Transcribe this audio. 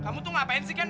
kamu tuh ngapain sih ken